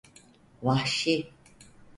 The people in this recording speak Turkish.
Vahşi.